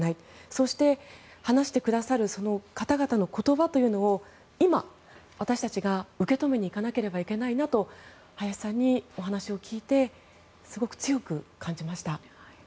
そして、話してくださる方々の言葉というのを今、私たちが受け止めにいかなければいけないなと早志さんに、お話を聞いてすごく強く感じました。